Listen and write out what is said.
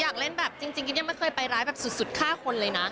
อยากเล่นแบบจริงกิ๊บยังไม่เคยไปร้ายแบบสุดฆ่าคนเลยนะ